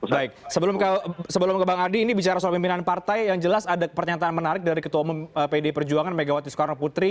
baik sebelum ke bang adi ini bicara soal pimpinan partai yang jelas ada pernyataan menarik dari ketua umum pdi perjuangan megawati soekarno putri